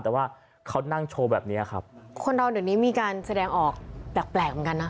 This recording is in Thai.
แต่ว่าเขานั่งโชว์แบบเนี้ยครับคนเราเดี๋ยวนี้มีการแสดงออกแปลกแปลกเหมือนกันนะ